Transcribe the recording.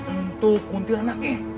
untuk kuntilanak ya